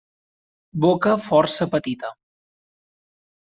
Boca força petita.